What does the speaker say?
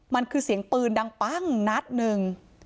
มันคือเสียงปืนดังปั้งนัดหนึ่ง